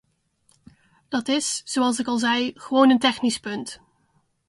Dat is, zoals ik al zei, gewoon een technisch punt.